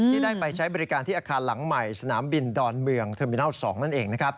ได้ไปใช้บริการที่อาคารหลังใหม่สนามบินดอนเมืองเทอร์มินัล๒นั่นเอง